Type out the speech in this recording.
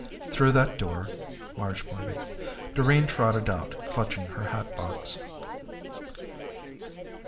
"Through that door." Marge pointed. Doreen trotted out, clutching her hat box.